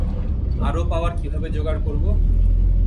আরো পাওয়ার কীভাবে জোগাড় করবো?